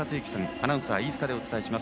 アナウンサー、飯塚でお伝えします。